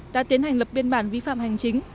đã tiến hành lập biên bản vi phạm hành chính